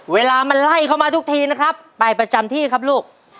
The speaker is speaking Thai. เวลามันไล่เข้ามาทุกทีนะครับไปประจำที่ครับลูก